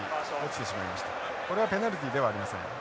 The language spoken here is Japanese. これはペナルティではありません。